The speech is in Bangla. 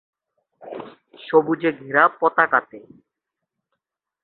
সবুজ ঘেরা পতাকাতে